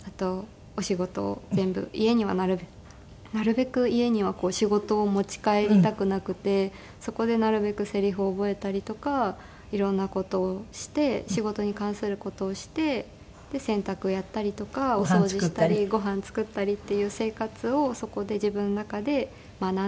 家にはなるべく家には仕事を持ち帰りたくなくてそこでなるべくセリフを覚えたりとか色んな事をして仕事に関する事をしてで洗濯をやったりとかお掃除したりご飯作ったりっていう生活をそこで自分の中で学んで。